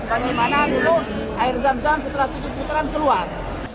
seperti mana dulu air zam zam setelah tujuh puteran keluar